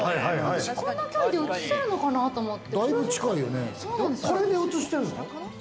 こんな距離で映せるのかなと思って。